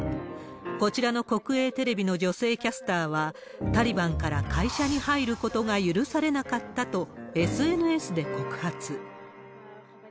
こちらの国営テレビの女性キャスターは、タリバンから会社に入ることが許されなかったと、ＳＮＳで告発。